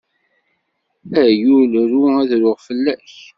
Ay ul ru, ad ruɣ fell-ak!